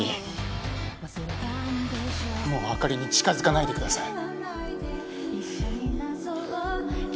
もう朱莉に近づかないでください。